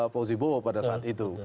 pak zibo pada saat itu